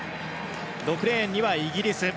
６レーンにはイギリス。